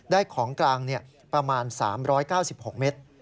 ได้ของกลางเนี่ยประมาณ๓๙๖เมตร